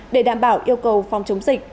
để đảm bảo yêu cầu phòng chống dịch